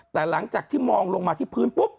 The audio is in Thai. แต่หลังจากลอยล์ลองมาที่ฟืน